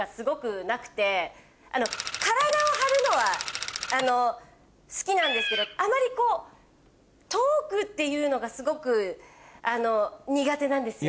体を張るのは好きなんですけどあまりトークっていうのがすごく苦手なんですよ。